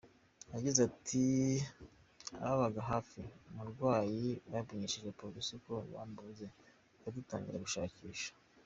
Yagize ati “Ababaga hafi umurwayi bamenyesheje Polisi ko bamubuze, duhita dutangira gushakisha.